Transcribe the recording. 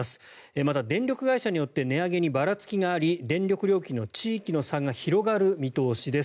また、電力会社によって値上げにばらつきがあり電力会社の地域の差が広がる見通しです。